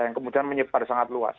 yang kemudian menyebar sangat luas